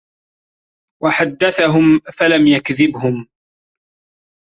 وَحَدَّثَهُمْ فَلَمْ يَكْذِبْهُمْ